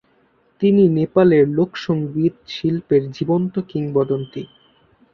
তিনি নেপালের লোক সংগীত শিল্পের জীবন্ত কিংবদন্তি।